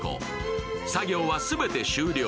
作業は全て終了。